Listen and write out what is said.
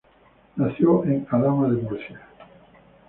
Nació en Alhama de Murcia.